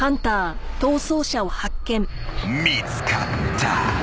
［見つかった］